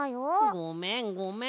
ごめんごめん！